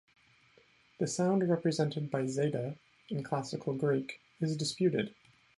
The sound represented by zeta in Classical Greek is disputed.